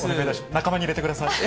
仲間に入れてください。